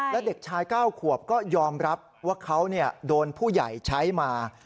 และเด็กชาย๙ขวบก็ยอมรับว่าเขาโดนผู้ใหญ่ใช้มา